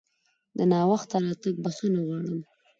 د ناوخته راتګ بښنه غواړم!